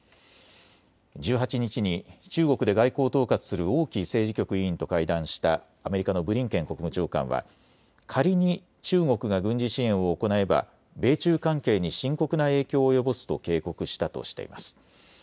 １８日に中国で外交を統括する王毅政治局委員と会談したアメリカのブリンケン国務長官は仮に中国が軍事支援を行えば米中関係に深刻な影響を及ぼすと警告したとしています。